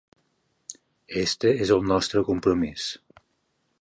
Este és el nostre compromís.